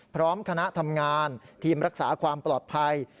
พร้อมคณะทำงานทีมรักษาความปลอดภัย